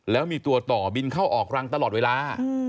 แล้วมีตัวต่อบินเข้าออกรังตลอดเวลา